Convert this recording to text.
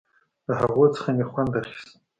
له هغو څخه مې خوند اخيست.